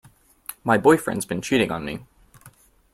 My boyfriend's been cheating on me.